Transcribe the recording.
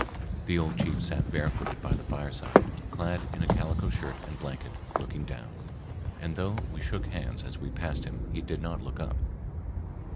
The old chief sat barefooted by the fireside, clad in a calico shirt and blanket, looking down, and though we shook hands as we passed him he did not look up.